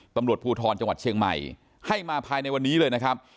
ตำรวจภูทรจังหวัดเชียงใหม่ให้มาภายในวันนี้เลยนะครับ